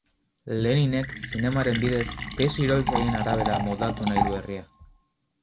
Leninek, zinemaren bidez, tesi iraultzaileen arabera moldatu nahi du herria.